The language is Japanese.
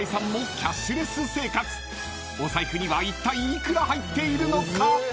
［お財布にはいったい幾ら入っているのか？］